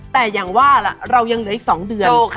แต่อย่างว่าล่ะเรายังเหลืออีก๒เดือน